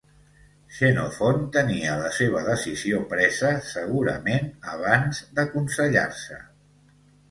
Xenofont tenia la seva decisió presa segurament abans d'aconsellar-se